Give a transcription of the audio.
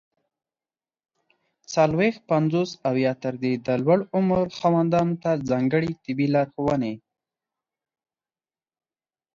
څلوېښت، پنځوس او یا تر دې د لوړ عمر خاوندانو ته ځانګړي طبي لارښووني!